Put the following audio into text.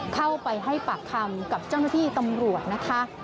เข้าไปให้ปากคำกับเจ้าหน้าที่ตำรวจนะคะ